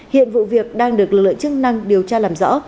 hiện vụ việc đang được lợi chức năng điều tra làm rõ